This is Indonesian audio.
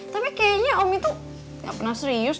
tapi kayaknya om itu gak pernah serius